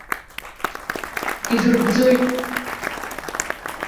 Идыргәӡоит.